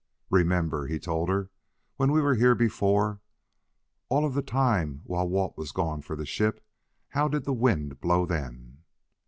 "Remember," he told her, "when we were here before? All of the time while Walt was gone for the ship how did the wind blow then?"